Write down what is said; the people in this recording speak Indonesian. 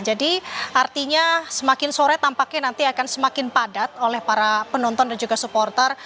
jadi artinya semakin sore tampaknya nanti akan semakin padat oleh para penonton dan juga supporter